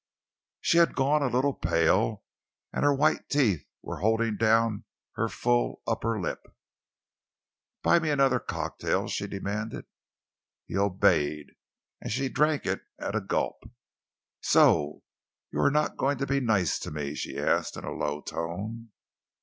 She had gone a little pale, and her white teeth were holding down her full under lip. "Buy me another cocktail," she demanded. He obeyed, and she drank it at a gulp. "So you are not going to be nice to me?" she asked in a low tone.